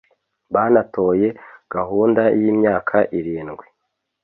banatoye gahunda y’imyaka irindwi